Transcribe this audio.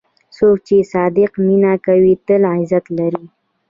څوک چې صادق مینه کوي، تل عزت لري.